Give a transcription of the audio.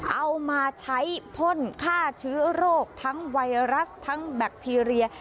เอามาใช้พ่นฆ่าเชื้อโรคทั้งไวรัสทั้งแบคทีเรีย